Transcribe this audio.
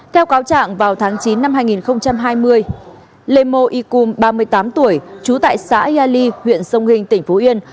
theo cáo trạng vào tháng chín năm hai nghìn hai mươi lê mô y cung ba mươi tám tuổi trú tại xã yai ly huyện sông hình tỉnh phú yên